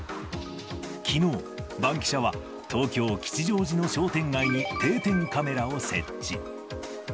きのう、バンキシャは東京・吉祥寺の商店街に定点カメラを設置。